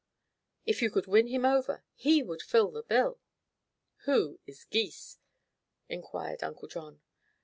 If you could win him over, he would fill the bill." "Who is Gys?" inquired Uncle John.